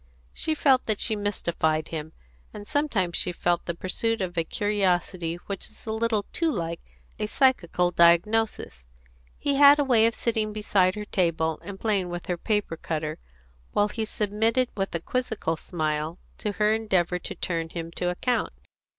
She felt that she mystified him, and sometimes she felt the pursuit of a curiosity which was a little too like a psychical diagnosis. He had a way of sitting beside her table and playing with her paper cutter, while he submitted with a quizzical smile to her endeavours to turn him to account.